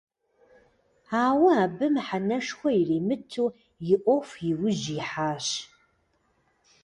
Ауэ абы мыхьэнэшхуэ иримыту и Ӏуэху и ужь ихьащ.